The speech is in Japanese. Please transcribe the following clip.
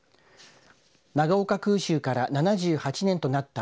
長岡空襲から７８年となった